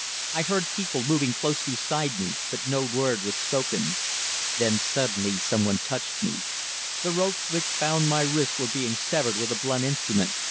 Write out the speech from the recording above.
I heard people moving close beside me, but no word was spoken. Then suddenly someone touched me. The ropes which bound my wrists were being severed with a blunt instrument.